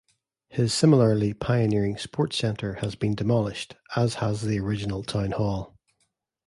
His similarly pioneering Sports Centre has been demolished, as has the original town hall.